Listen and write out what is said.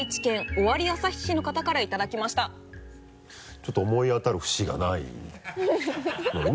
ちょっと思い当たる節がないのにね